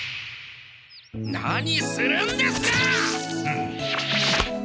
何するんですか！？